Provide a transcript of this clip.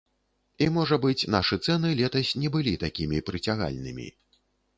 І можа быць, нашы цэны летась не былі такімі прыцягальнымі.